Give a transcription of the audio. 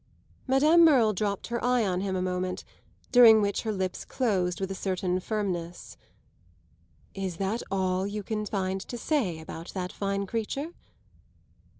Madame Merle dropped her eye on him a moment, during which her lips closed with a certain firmness. "Is that all you can find to say about that fine creature?"